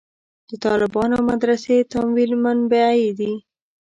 د طالبانو مدرسې تمویل منبعې دي.